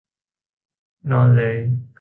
นอนเลย !